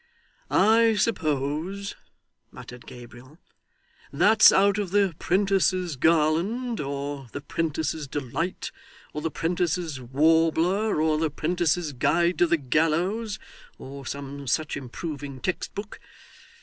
'I suppose,' muttered Gabriel, 'that's out of the 'Prentice's Garland or the 'Prentice's Delight, or the 'Prentice's Warbler, or the Prentice's Guide to the Gallows, or some such improving textbook.